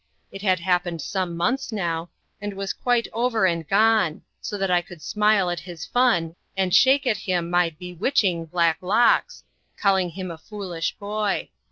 It had happened some months now, and was quite over and gone, so that I could smile at his fun, and shake at him my "bewitching" black locks, calling him a foolish boy.